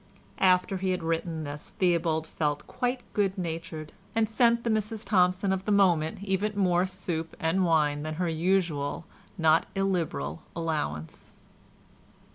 After he had written this Theobald felt quite good natured, and sent to the Mrs Thompson of the moment even more soup and wine than her usual not illiberal allowance.